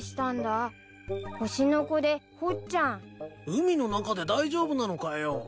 海の中で大丈夫なのかよ？